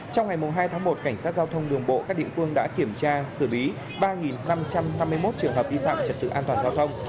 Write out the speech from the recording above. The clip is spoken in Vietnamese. trong ngày hai tháng một cảnh sát giao thông đường bộ các địa phương đã kiểm tra xử lý ba năm trăm năm mươi một trường hợp vi phạm trật tự an toàn giao thông